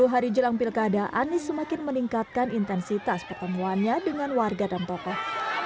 sepuluh hari jelang pilkada anies semakin meningkatkan intensitas pertemuannya dengan warga dan tokoh